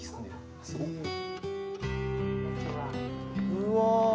うわ。